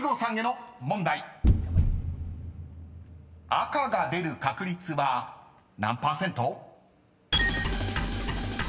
［赤が出る確率は何％？］